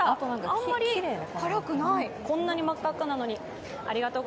あまり辛くない、こんなに真っかっかなのに。